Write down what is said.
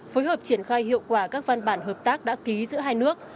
phối hợp triển khai hiệu quả các văn bản hợp tác đã ký giữa hai nước